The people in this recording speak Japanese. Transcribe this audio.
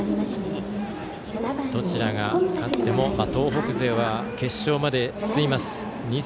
どちらが勝っても東北勢は決勝まで進みます。